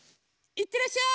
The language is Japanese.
いってらっしゃい！